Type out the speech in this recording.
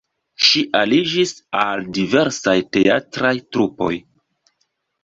Ŝi aliĝis al diversaj teatraj trupoj.